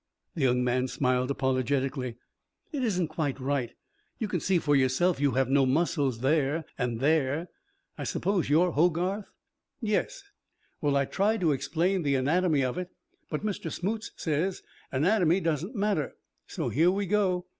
The young man smiled apologetically. "It isn't quite right. You can see for yourself you have no muscles there and there. I suppose you're Hogarth?" "Yes." "Well I tried to explain the anatomy of it, but Mr. Smoots says anatomy doesn't matter. So here we go."